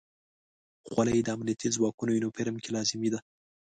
خولۍ د امنیتي ځواکونو یونیفورم کې لازمي ده.